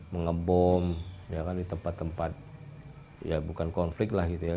mengebom ya kan di tempat tempat ya bukan konflik lah gitu ya